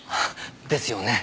ですよね。